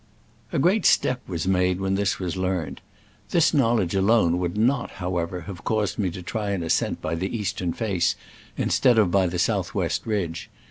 A great step was made when this was learned. This knowledge alone would not, however, have caused me to try an ascent by the eastern face instead of by the south west ridge.